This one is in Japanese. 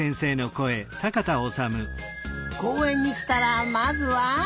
こうえんにきたらまずは。